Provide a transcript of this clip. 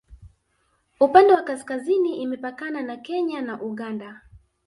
upande wa kaskazini imepakana na kenya na uganda